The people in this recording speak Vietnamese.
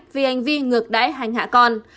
vì hành vi ngược đáy hành hạ con